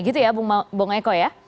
gitu ya bung eko ya